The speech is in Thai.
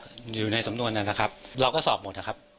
ก็อยู่ในสำนวนนะครับเราก็สอบหมดนะครับ